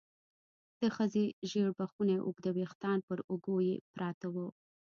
د ښځې ژېړ بخوني اوږده ويښتان پر اوږو يې پراته وو.